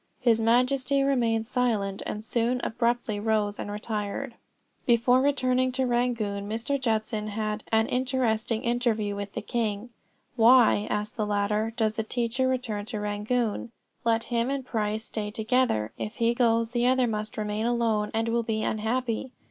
His Majesty remained silent, and soon abruptly rose and retired. Before returning to Rangoon Mr. Judson had an interesting interview with the king. "Why," asked the latter, "does the teacher return to Rangoon? let him and Price stay together. If one goes, the other must remain alone, and will be unhappy."